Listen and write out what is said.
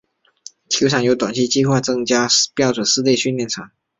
球场有短期计划增加标准室内训练场。